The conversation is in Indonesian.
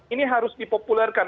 ini harus dipopulerkan